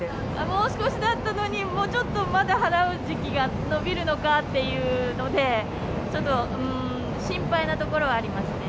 もう少しだったのに、もうちょっとまだ払う時期が延びるのかっていうので、ちょっと、うーん、心配なところはありますね。